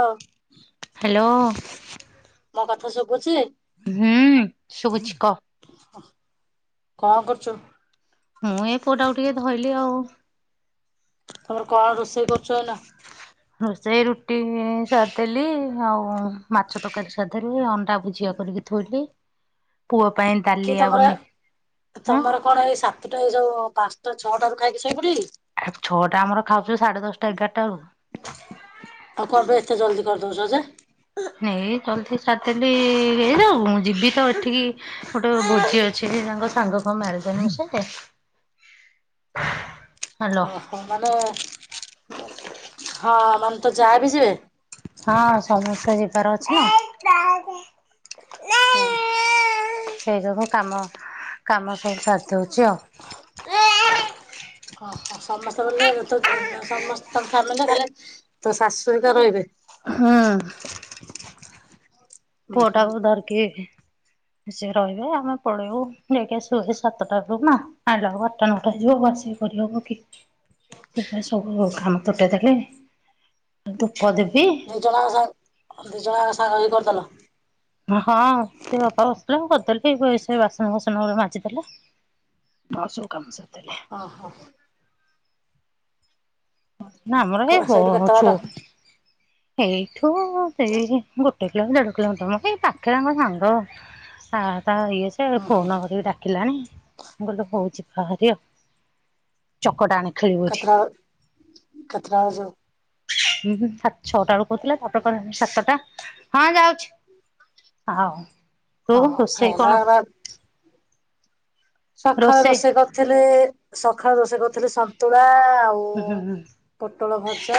ହଁ। ଟଁ, ମୋ କଥା ଶୁଭୁଛି? ହୁଁ ଶୁଭୁଛି କ? କଁ କରୁଛ? ମୁଁ ଏଇ ପୁଅଟାକୁ ଟିକେ ଧଇଲି ଆଉ। ତମର କଣ ରୋଷେଇ କରୁଛ ହେଲା। ରୋଷେଇ ରୁଟି ସାରିଦଲି ଆଉ ମାଛ ତରକାରୀ ସାରଦେଲି ଅଣ୍ଡା ଭୁଜିଆ କରିକି ଥୋଇଲି। ପୁଅ। ପାଇଁ କି ଦାଲିଆ ତମର ବନେଇ ହଁ ତମର କଣ ଏଇ ସାତଟା ଏଇ ସଉ ପାଞ୍ଚଟା ଛଅଟା ରୁ ଖାଇକି ଶୋଇପଡ଼ିବେ କି? ଆଉ ଛଅଟା ଆମର ଖାଉଛୁ ସାଢେ ଦଶଟା ଏଗାରଟା ବେଳକୁ ଆଉ କଣ ପାଇଁ ଏତେ ଜଲଦି କରିଦଉଛ ଯେ? ଏଇ ଜଦି ସାରିଦେଲି ହେଇଯାଉ ମୁଁ ଯିବି ତ ଏଠିକି ଗୋଟେ ଭୋଜି ଅଛି ହେଯାଉ ସାଙ୍ଗ କଣ ମ୍ୟାରେଜ୍‌ ଆନିଭର୍ସରୀ। ହ୍ୟାଲୋ ଓହୋ ମାନେ ହଁ ମାନେ ତୋ ଯା ବି ଯିବେ? ହଁ ସମସ୍ତେ ଯିବାର ଅଛି ନା? ହୁଁ ସେଇବୁ କାମ କାମ ସାରି ସଉଚ। ଓହୋ ସମସ୍ତେ ବୋଲେ ସମସ୍ତେ ତାଙ୍କ ଫ୍ୟାମିଲି ଖାଲି ତୋ ଶାଶୁହରିକ ରହିବେ? ହଁ। ପୁଅ ଟାକୁ ଧରିକି ହ। ସିଏ ରହିବେ ଆମେ ପଳେଇବୁ ସେରହିବେ ଆମେ ପଳେବୁ ନେଇ ଯାଇକି ଆସିବୁ ସାତଟା ବେଳକୁ ନା ଆଇ ଲାବେଳକୁ ଆଠଟା ନଅଟା ହୋଇଯିବ। ଦବକି ସୋପାଇଁ ସବୁ କାମ ତୁଟେଇ ଦେଲେଣି । ଦି ଜଣଯାକ ସାଙ୍ଗ ଦି ଜଣ ଯାକ ସାଙ୍ଗ ହେଇକି କରିଦେଲ? ହଁ ସେ ବାପା ବସିଥିଲେ ମୁଁ କରିଦେଲି ସେ ବାସନ ଫାସନ ଗୁଡ଼ା ମାଜି ଦେଲି ଦେଲା ମୋର ସବୁ କାମ ସାରିଦେଲି। ଓ ହୋ । ନା ଆମର କ ଏଇ ସେଇଠୁ କେତେ ଅଛୁ ବାଟ ଏଇଠୁ ସେଇ ଗୋଟେ କିଲୋମିଟର ଦେଢ କିଲୋମିଟର ମ ଏଇ ପାଖ ରେ ଆମ ସାଙ୍ଗ ଆ ତା ଇଏ ସେ ଓହୋ ଫୋନ କରିକି ଡାକିଲାଣି ମୁଁ କହିଲି ହଉ ବାହାରି ଆଉ ଚକଟା ଆଣ ଖେଳିବୁ ଏଇଠି। କେତେ ଟାବେଳ କୁଜିବ? ହୁଁ ସାତ ଛଅଟା ବେଳକୁ କହୁଥିଲା ତାପରେ ସାତଟା ହଁ ଯାଉଛି । ଆଉ ତୁ ହଁ ରୋଷେଇ କଣ? ସକାଳୁ ରୋଷେଇ କରିଥିଲି ସକାଳୁ ରୋଷେଇ କରିଥିଲି ସନ୍ତୁଳା ଆଉ ହୁଁ ହୁଁ ପୋଟଳ ଭଜା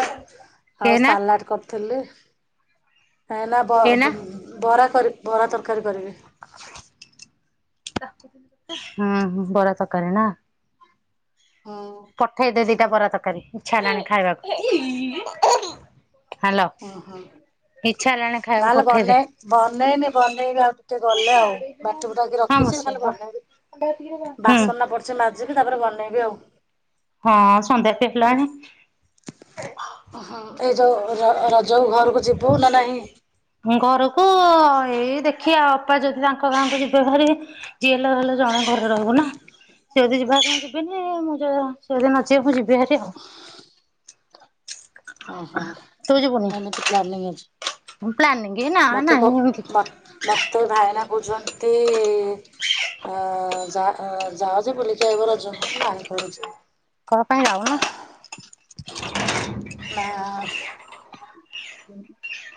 ଆଉ ଏଇନା ସାଲାଡ କରିଥିଲି ହେଲେ ଏଇନା ବରା କରିବି ବରା ତରକାରୀ ତରକାରି କରିବି। ହୁଁ ହୁଁ ବରା ତରକାରୀ ନା ହଁ ପଠେଇ ଦେ ଦିଟା ବରା ତରକାରୀ ଇଚ୍ଛା ହେଲାଣି ଖାଇବାକୁ। ହାଲୋ ଓହୋ। ଇଚ୍ଛା ହେଲାଣି ଖାଇବାକୁ ନହେଲେ ପଠେଇଦେ ବନେଇ ବନେଇନି ବନେଇବି ଆଉ ଟିକେ ଗଲେ ଆଉ ବାଟି ବୁଟାକି ହଁ ରଖିଛି। ରଖିଚି ଖାଲି ବନେଇବି ବସେଇବ ହୁଁ ବାସନ ଗୁଡ଼ା ପଡ଼ିଛି ମାଜିବି ତାପରେ ବନେଇବି ଆଉ। ହଁ ସନ୍ଧ୍ୟା ବି ହେଲଣି। ଏ ଯୋଉ ରଜକୁ ଘରକୁ ଯିବୁ ନା ନାହିଁ ଘରକୁ ଏଇ ଦେଖିବା ଅପା ଯଦି ତାଙ୍କ ଗାଁକୁ ଯିବେଭାରି ଯିଏ ହେଲେ ହେଲେ ଜଣେ ଘରେ ରହିବ ନା। ସେ ଯଦି ଯିବେହରି ମୁଁ ଯିବିନି ସେ ଯଦି ନଜିବେମୁଁ ଯିବି ହାରି ଆଉ। ଓ ହୋ ତୁ ଯିବୁନି? ଏମିତି ପ୍ଲାନିଙ୍ଗ୍ ଅଛି ପ୍ଲାନିଂ ନା ମତେ କ ନାହିଁ ଏମିତି ମତେ ଭାଇନା କହୁଛନ୍ତି ଅ ଯା ଯାହା ଯେ ବୁଲିକି ଆଇବ ରଜକୁ ନାହିଁ କରୁଛି। କଣ ପାଇଁ ଯାଉନା? ନା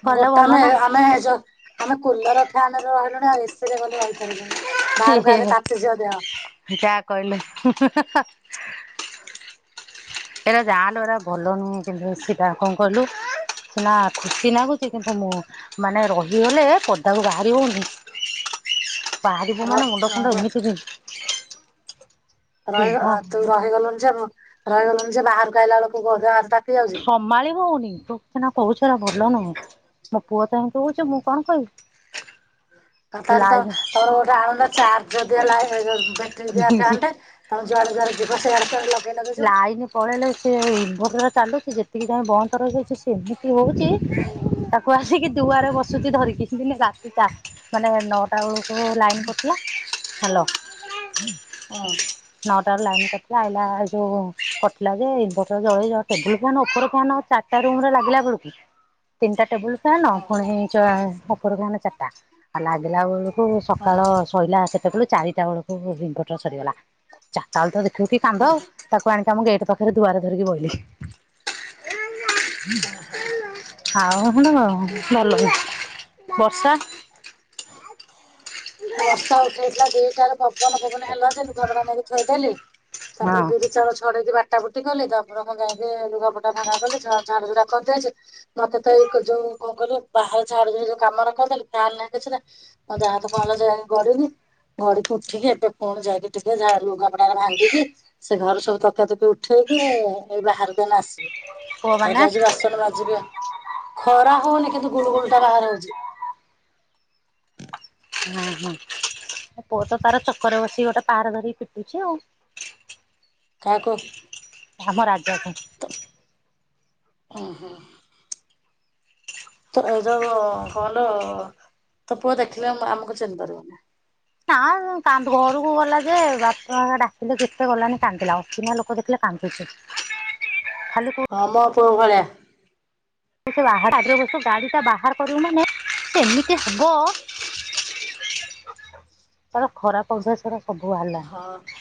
ଗଲେ ଗୋଟେ ଭଲ ଆମେ ନା। ଆମେ ଯୋ ଆମେ କୁଲର୍, ଫ୍ୟାନ୍ ରେ ରହିଲୁଣି ଆଉ ଏସି ରେ ଗଲେ ରହି ପାରିବୁନି। ଯା କହିଲେ। ଏଟା ଯାଲୁ ଏରା ଭଲ ନୁହେଁ କିନ୍ତୁ ସେଟା କଣ କହିଲୁ ନା ଖୁସି ନାଗୁଚି କିନ୍ତୁ ମୁଁ ମାନେ ରହିଗଲେ ପଦାକୁ ବାହାରି ହଉନି। ବାହାରିବ ର ମାନେ ମୁଣ୍ଡ ଫୁଣ୍ଡ ର ଏମିତି ବିନ୍ ରହିଗ ତୁ ହବ। ରହିଗଲୁଣି ଯେ ମୁଁ ରହିଗଲୁଣି ଯେ ବାହାରକୁ ଆଇଲା ବେଳକୁ [unintelligible] ଆସତା ସମାଳିି ହଉନି। [unintelligible] କହୁଛ ରା ଭଲ ନୁହେଁ। ମୋ ପୁଅ ତ ଏମିତି ହଉଚୁ ମୁଁ କଣ କହିବି? ଆଉ ସେ ତାହେଲେ ତ ତୋର ଗୋଟେ ଆଣନୁ ଚାର୍ଜ ଦିଆ ଲାଇ ଏ ଯୋଉ ବ୍ୟାଟେରୀ ଦିଆ ଲାଇନି ଫ୍ୟାନ୍ ଟେ ତୋମେ ଯୁଆଡ଼େ ଯୁଆଡ଼େ ଯିବ ସିଆଡ଼େ ସିଆଡେ ଲଗ ଲାଇନ୍ ପଳେଇଲେ ସେ ଇନଭଟର୍ ଚାଲୁଚି ଯେତିକି ଟାଇମ୍ ବନ୍ଦ ରହିଯାଇଛି ସେମିତି ହଉଚି। ତାକୁ ଆସିକି ଦୁଆରେ ବସୁଚି ଧରିକି। ଦିନେ ରାତି ଟା ମାନେ ନଅଟା ବେଳକୁ ଲାଇନ୍ ପ ଥିଲା, ହେଲୋ ଅଁ, । ତାର ଲାଇନ୍ କଟିଲା ଆଇଲା ହେଇ କଟିଲା ଯେ ଇନଭଟର୍ ଜଳେଇ ଯା ଟେବୁଲ୍ ଫ୍ୟାନ୍ ଉପର ଫ୍ୟାନ୍ ଚାଟା ରୁମ୍ ରେ ଲାଗିଲା ବେଳକୁ ତିନିଟା ଟେବୁଲ୍ ଫ୍ୟାନ୍ ହୁଁ। ପୁଣି ଚ-ଉପର ଫ୍ୟାନ୍ ଚାଟା ଆ, ଲାଗିଲା ବେଳୁ ପୁଣି ହଁ ସକାଳ ସଇଲା କେତେବେଳୁ ଚାରିଟା ବେଳକୁ ବୁ- ଇନଭଟର୍ ସରିଗଲା। ଚାଟା ବେଳୁ ତ ଦେ ଫୁ କି କାନ୍ଦ ହଁ ତାକୁ ଆଣିକି ଆମ ଗେଟ୍ ପାଖରେ ଦୁଆରେ ଧରିକି ବୋଇଲି। ଓ ହୋ। ଆଉ ଖଣ୍ଡ ଗରମ ଭଲ ବର୍ଷା ବର୍ଷା ଉଠେଇଥିଲା ଦୁଇଟାରେ ପବନ ଫବନ ହେଲା ଯେ ଲୁଗାପଟା ନେଇକି ଥୋଇଦେଲି। ହଁ ତାପରେ ବିରି ଚାଉଳ ଛଡେଇକି ବା କୁଟା ବୁଟି କଲି ତାପରେ ମୁଁ ଯାଇକି ଲୁଗାପଟା ଭା [inaudible] କଲି। ସାନ ସାନ ରୁ ରଖନ୍ତି ଆଜି। ମୋତେ ତ ଏଇ କୋ ଯୋଉ ମୁଁ କଣ କିଲି ବାହାର ଝାଡୁ ଯେଇ ଯୋଉ କାମ ରଖୁଥିଲି ତା ନା କିଛି ନା ଆ, ଯାହା ତ କଣ କରିନି ଘଡିକି ଉଠିକି ଏବେେ ପୁଣି ଯାଇକି ଟିକେ ଝାଡୁ ଲୁଗାପଟା ଏକା ଭାଙ୍ଗିକି ସେ ଘରେ ସବୁ ତକିଆ ତୁକି ଉଠେଇ ସେଦିନ ରହ ଏଇ ବାହାରୁ କେନ ଆସିବେ, ପୁଅ ଆଉ ମାନେ ଯାଉଚି ବାସନ ମାଜିବି ଆ ଖରା ହଉନି କିନ୍ତୁ ଗୁଳୁ ଗୁଳୁ ଟା ବାହାର ହଉଛି। ହଁ, ହଁ। ମୋ ପୁଅ ତ ତାର ଚକର ବସି ଗୋଟେ ପାର ଧରିକି ପିଟୁଛି ଆଉ। କାହାକୁ ଆମ ରାଜାକୁ। ଅଁ, ହଁ। ତ ଏ ଯୋଉ ଅ, କହଲ ତୋ ପୁଅ ଦେଖିଲେ ଆମ ଆମକୁ ଚିହ୍ନି ପାରିବନି। ତା କାନ୍ଧରୁ କୁ ଗଲା ଯେ ବାପୁ ମାମା ଡାକିଲେ କେତେ ଗଲାନି କାନ୍ଦିଲା। ଅଚିହ୍ନା ଲୋକ ଦେଖିଲେ କାନ୍ଦୁଛି। ଖାଲି ହଁ ମୋ ପୁଅ ଘରେ। ଓ ଷେ ବାହା ପାଚରେ ବସି ଗାଡି ଟା ବାହାର କରିବୁ ମାନେ ସେ ଏମିତି ହବ ତୋମ ଖରା ପନ୍ଧ ସିରେ ସବୁ ବାହାରି ହଁ ଲାଣି,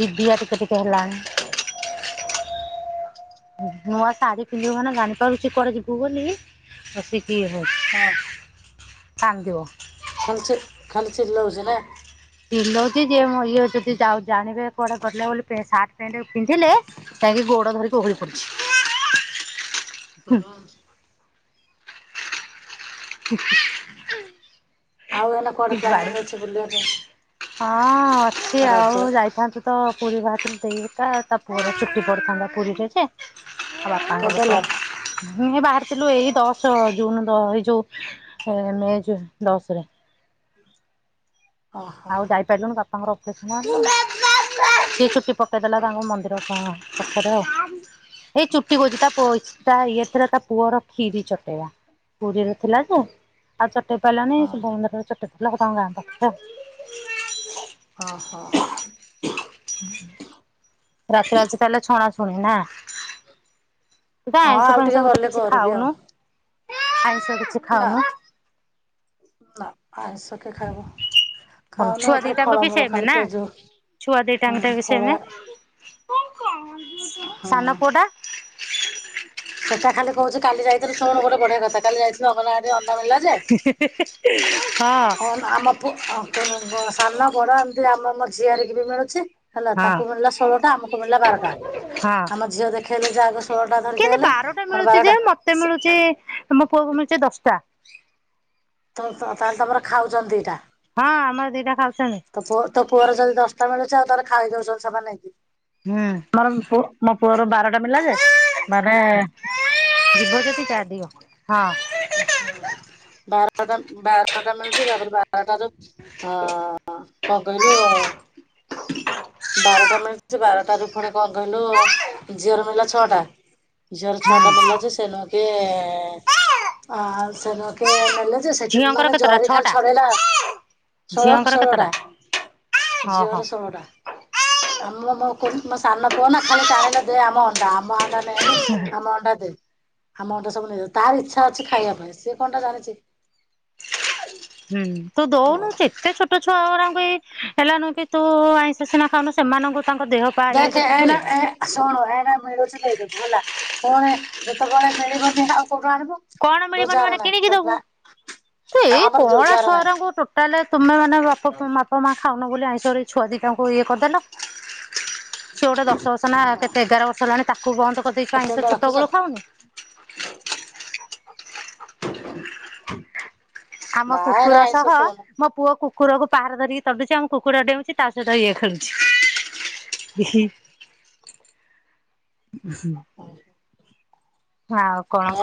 ଯି ଦିଆ ଟିକେ ଟିକେ ହେଲାଣି। ହୁଁ, ନୂଆ ଶାଢୀ ପିନ୍ଧିବୁ ମାନେ ଜାଣି ପାରୁଚି କୁଆଡେ ଯିବୁ ବୋଲି। [unintelligible] ଥି ହଉ ହଁ କାନ୍ଦିବ। ଖାଲି ଚେ ଖାଲି ଚିଲେଇବ ସିଏ ନା। ଚିଲଉଚି ଯେ ମୋ ଇଏ ଯଦି ଯାଉ ଜାଣେ ଯେ କୁଆଡେ ଗଲେ ବୋଲି ପେ ସାର୍ଟ ପେଣ୍ଟ କୁ ପିନ୍ଧିଲେ ତାରି ଗୋଡ଼ ଧରିକି ଓହଳି ପଡ଼ିଛି। ହଁ। ହ ଆଉ ଏଇନା କୁଆଡେ ପିମ୍ପାଡୁ। ପ୍ଲାନିଂ ଅଛି ବୁଲିବା ପାଇଁ? ହଁ ଅଛି ରଜ ଆଉ ଯାଇଥାନ୍ତୁ ତ। ପୁରୀ ଭାତ ଦେଇ ତା ତା ପୁଅ ଚୁଟି ପଡିଥାନ୍ତା ପୁରୀରେ ଯେ। ଵାପାଙ୍କ କେବେ ଲୋ? ଭିତର ତ ହ୍ନି ଵା ଆସିଥିଲୁ ଏଇ ଦଶ ଜୁନ ଏଇ ଯୋଉ ମେ ଦଶରେ। ଓହୋ ଆଉ ଯାଇପାରିଲୁନଣି ବାପାଙ୍କର। କଷ୍ଣ ସିଏ ଚଛୁଟି ପକେଇଦେଲା ତାଙ୍କୁ ମନ୍ଦିର କ ପାଖରେ। ଏଇ ଚୁଟି କଛି ତା ତା ଇଏ ଥିଲା ତା ପୁଅର ଖ୍ଷୀରି ଚଟେଇବା। ପୁରୀରେ ଥିଲା ଯେ ଆଉ ଚଟ ପାରିଲାନି ହଁ ଶୁଭ ମନ୍ଦି ଚଟ ପଡ଼ା ତଙ୍କ ଗାଁ ପାଖରେ। ହଁ ହଁ। ରାତି ରେ ଆଜି ତାହାଲେ ଛନଛୁଣି ନା। ତୁ ପା ଆଇଁସ ଆଉ ଟିକେ ଫଇସ ବୋଧେ ଗଲେ କିଛି କରିବି ଆଉ ଖାଉନୁ। ଆଇଁସ କିଛି ନା ଖାଉନୁ। ଆଇଁସ କିଏ ଖାଇବ। ଭଲ ଖାଉନୁ ଛୁଆ ଏଥର ଦିଟାଙ୍କ ବି ଫଳମୂଳ ସେଇମ ଖାଲି ନା ପିଆଜ ଛୁଆ ହଁ ଦିଟାଙ୍କ ଟ ବି ଫଳ ସେଇମ। ହଁ। ସାନ ପୁଅଟା। ସେଟା ଖାଲି କହୁଛି କାଲି ଯାଇଥିଲୁ ଶୁଣୁ ଗୋଟେ ବଢିଆ କଥା କାଲି ଯାଉଥିଲୁ ଅଙ୍ଗନବାଡି। ହି ହେ ହେ ହେ। ହଁ ଆମ ପୁଅ ସାନ ବଡ ଏମତି ଆମ ଝିଆରିକ ବି ମିଳୁଛି। ହେଲା ହଁ ତାଙ୍କୁ ମିଳିଲା ଷୋହଳଟା ଆମକୁ ମିଳିଲା ବାରଟା ଆମ ଝିଅ ଦେଖେଇଲେ ଯାହାକ କେମତି ବାରଟା ମିଳୁଛି ଯେ ମତେ ସେ ମିଳୁଚି ମୋ ପୁଅକୁ ମିଳୁଛି ଦଶଟା। ତ -ତାହେଲେ ତମର ଖାଉଛନ୍ତି ଦିଇଟା। ହଁ ଆମର ଦି ଟା ଖାଉଛୁ। ତ ତୋ ପୁଅର ଯଦି ଦଶଟା ମିଳୁଛି ଆଉ ତାହେଲେ ଖାଇ ଦଉଛନ୍ତି ସେମାନେ। ହୁଁ। ମୋର ପୁଅ ମୋ ପୁଅର ବାରଟା ମିଲା ଯେ ମାନେ। ଯିବ ଯଦି ଚା ଦିଅ ହଁ। ଓହ ବାରଟା ବାରଟା ମିଳୁଛି ତାପରେ ବାର। ବାରଟା ଯୋଉ ଅଁ କଣ କହିଲୁ। ବାରଟା ମିଳିଚି ବାରଟାରୁ ପୁଣି କଣ କହିଲୁ ଝିଅର ମିଳିଲା ଛଅଟା। ଝର ଛଅଟା ମିଲା ଯେ ସେ ନକେ ଆ ସେ ନହଁକି ନେଲେ। ଯେ ସେଠିନ ଝିଅଙ୍କର ମାନେ କେତେଟା ଜରି ଖାଲି ଛଅଟା? ଛଡେଇଲା ଷୋଳ ଝିଅଙ୍କର ଷୋହଳ ଟା। କେତେଟା ଝିଅର ଓହୋ। ଷୋଳଟା ଆମ ମୋ ମୋ ସାନ ପୁଅ ନା ଖାଲି ଟାଣିଲେ ଦେ ଆମ ଅଣ୍ଡା ଆମ ଅଣ୍ଡା ନେନି ଆମ ଅଣ୍ଡା ଦେ। ଆମ ଅଣ୍ଡା ସବୁ ନେଇଗଲେ ତାର ଇଚ୍ଛା ଅଛି ଖାଇବା ପାଇଁ ସିଏ କଣ ଟା ଜାଣିଛି। ହୁଁ ତୁ ଦୋଉନୁ ପୁଅର ଏତେ ଛୋଟ ଛୁଆରଙ୍କୁ। ହେଲା ନୁ ବି ତୁ ଆଇଁଷ ସିନା ଖାଉନୁ ସେମାନଙ୍କୁ। ତାଙ୍କ ଦେହ ପା ଇଏ ଦେଖେ ଦେଖି ତୁ -ଏନା ଏ ଶୁଣୁ ଏନା ମିଳୁଛି ଦେଇଦୁ ହେଲା ପୁଣି ଯେତେବେଳେ ମିଳିବନି ଆଉ। କୋଉଠୁ ଆଣିବୁ? କଣ ମିଳିବନି ରୋଜଗାର ମାନେ ନାହିଁ କିଣିକି ଦବୁ। ସେଥିପାଇଁ ଏଇ ଆମର କଅଁଳା ରୋଜଗାର ନାହିଁ ଛୁଆରଙ୍କୁ ଟୋଟାଲ ତୁମେ ମାନେ ବାପା ବାପା ମା ଖାଉନ ବୋଲି ଆଇଁଷ ସରି। ଛୁଆ ଦିଇଟା ଙ୍କୁ ଇଏ କରିଦେଲ। [inaudible] ସେଏ ଗୋଟେ ଦଶ ବର୍ଷ ନା କେତେ ଏଗାର ବର୍ଷ ହେଲାଣି ତାକୁ ବନ୍ଦ କରିଦେଇଛୁ ଏଟିଏମ୍ ଆଇଁଷ ଟା ଛୋଟ ରଖିଛ? ବେଳୁ ଖାଉନି। [inaudible] ଆମ ନାଇଁ ରେ କୁକୁର ଆଇଁଷ ସହ ଖାଉନୁ ମୋ ପୁଅ। କୁକୁରକୁ ପାହାର ଧରିକି ତଡୁଛି ଆମ କୁକୁର ଡେଉଁଚି ତା ସହିତ ଇଏ ଖେଳୁଛି। ଇହି। ଉଁ ହୁଁ।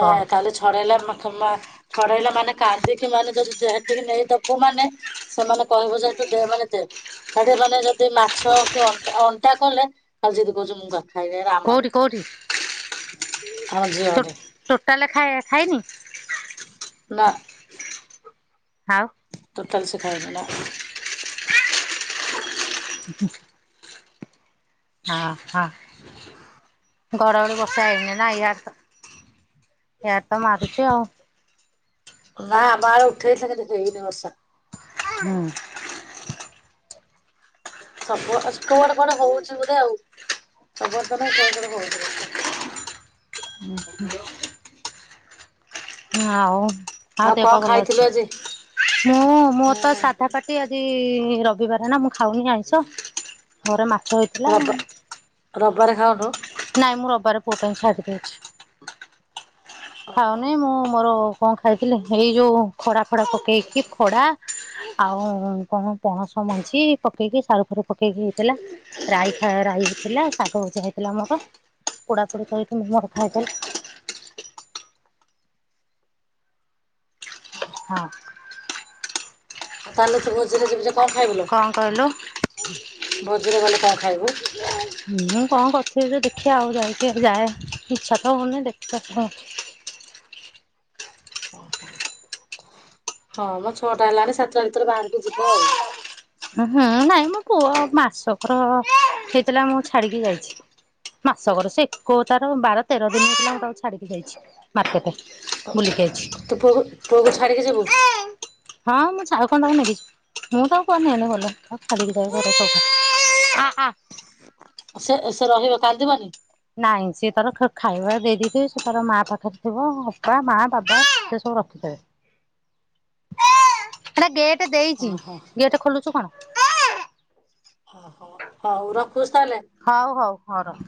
କହ କାଲି ଛଡେଇଲା ଛଡେଇଲା ମାନେ କାନ୍ଦିକି ମାନେ ଯଦି। ଯେହେତିିକି ନେଇଦବୁ ମାନେ ସେମାନେ କହିବୁ ଯଦି ଦେ ମାନେ ଦେ। ହେଠି ଗଲେ ଯଦି ମାଛ କି ଅଣ୍ଟା ଅଣ୍ଟା କଲେ ଖାଲି ଯିଦି କହୁଛୁ ମୁଁ ଖା ଖାଇବା ରେ ଆମର କୋଉଠି କୋଉଠି ଆମ ଝିଅଟି। ଟୋଟାଲ୍ ଖାୟା ଖାଇନି? ନା। ଆଉ ଟୋଟଲ୍ ସେ ଖାଇନି, ନା। [inaudible] ହଁ, ହଁ ଘଡଘଡି ବର୍ଷା ହେଇନି ନା। ଇଆଡେ ତ ଏ ଆଡେ ତ ମାରୁଛି, ଆଉ। ନା ଆମ ଆଡେ ଉଠେଇଛି। କିନ୍ତୁ, ହେଇନି ବର୍ଷା। ହୁଁ। ସବୁ ଅସ୍କ ଗୋଟେ କୁଆଡେ ହଉଛି ବୋଧେ ଆଉ। ଆମର ତ ନାହିଁ। କୁଆଡେ କୁଆଡେ ହଉଛି ବର୍ଷା। ଉଁ ହୁ। ଆଉ ଆଉ ଦେହ କଣ ପା ଭଲ ଖାଇଥିଲୁ ଅଛି? ଆଜି? ମୁଁ ମୋତ ହଁ। ସାଧା ପାଟି ଆଜି-ଇ ରବିବାରେ ନା, ମୁଁ ଖାଉନି ଆଇଁଷ। [inaudible] ଘରେ ମାଛ ହେଇଥିଲା ଆଁ। ରବବାରେ ଖାଉୁନୁ। ନାଇଁ ମୁଁ ରବିବାର ପୁଅ ଟା ଛାଡି ଦେଇଛି। ଓହୋ ଖାଉନି ମୁଁ ମୋର କଣ ଖାଇଥିଲି? ଏଇ ଯୋଉ ଖଡା ଫଡା ପକେଇକି ଖଡା ଆଉ କଣ ପଣସ ମଞ୍ଜି ପକେଇକି ସାରୁ ଫାରୁ ପକେଇକି ହେଇଥିଲା ରାଇ। ରାଇ ହେଇଥିଲା, ଶାଗ ଭଜା ହେଇଥିଲା ମୋର। ପୋଡା ପୋଡି କରିକି ମୁଁ, ମୋର ଖାଇଦେଲି। ହଁ। ଆଉ ତାହେଲେ ତୁ ଭୋଜିରେ ଯିବୁ ଯେ, କଣ ଖାଇବୁ ଲୋ? ଭୋଜିରେ ଗଲେ କଁ ଖାଇବୁ? କଁ କରିଥିବେ ଯେ ଦେଖିବା ଆଉ ଯାଇକି। ଯାଏ, ଇଚ୍ଛା ତ ହଉନି। ଦେଖିଆ କଁ! ହଁ, ମ ଛଅଟା ହେଲାଣି ସାତଟା ଭିତରେ ବାହାରକୁ ଯିବ ଆଉ। ହୁଁ, ନାଇଁ ମୋ ପୁଅ ମାସକର ହେଇଥିଲା। ମୁଁ ଛାଡିକି ଯାଇଛି। ମାସକର ସେ ଏକୋ ତାର ବାର ତେର ଦିନ ହେଇଥିଲା, ମୁଁ ତାକୁ ଛାଡିକି ଯାଇଛି ମାର୍କେଟେ। ତୁ ପୁଅକୁ ପୁଅକୁ ଛାଡିକି ଯିବୁ। ହଁ, ମୁଁ ଛାଉ ଖଣ୍ଡକୁ ନେବି। ମୁଁ ତ ପୁଅ ନିଅଲୋ ଗଲ ମୁଁ ଛାଡିକି ଯାଏ [unintelligible] ଆ ଆ। ସେ ସେ ରହିବ! କାନ୍ଦିବନି? ନାଇଁ ସିଏ ତାର ଖାଇବା ଦେଇଦେଇଥିବି, ସେ ତାର ମା ପାଖରେ ଥିବ ଅପା, ମା, ବାବା ସେ ସବୁ ରଖିଥେବେ। ହଁ ହେଟା ଗେଟ୍ ଦେଇଚି, ଓହୋ ଗେଟ୍ ଖୋଲୁଛୁ କଣ? ଅ ହ ହଉ ରଖୁଛି ତାଲେ। ହଉ ହଉ ହଉ ରହ।